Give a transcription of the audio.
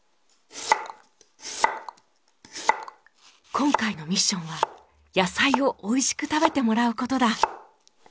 今回のミッションは野菜をおいしく食べてもらう事だ。